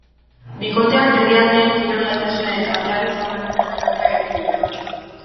Bikoteak, herrialdeen kirol-gaitasunen eta oinarri-geografikoen arabera egin dira.